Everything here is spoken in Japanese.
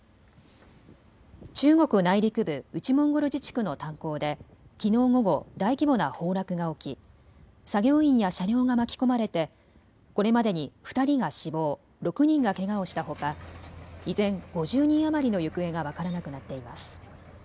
中国内陸部・内モンゴル自治区の炭鉱できのう午後、大規模な崩落が起き作業員や車両が巻き込まれてこれまでに２人が死亡、６人がけがをしたほか依然５０人余りの行方が分からなくなっています。